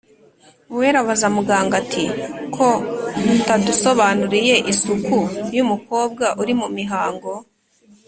Uwera abaza muganga ati:” Ko utadusobanuriye isuku y’umukobwa uri mu mihango?”